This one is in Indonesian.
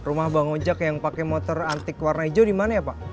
rumah bang ojak yang pakai motor antik warna hijau dimana ya pak